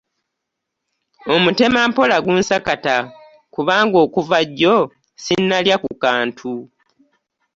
Omutemampola gunsakata kubanga okuva jjo ssinnalya ku kantu.